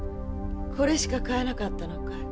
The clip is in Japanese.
これしか買えなかったのかい？